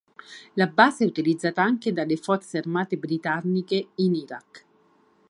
La base è utilizzata anche dalle forze armate britanniche in Iraq.